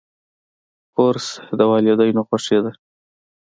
کورس د والدینو خوښي ده.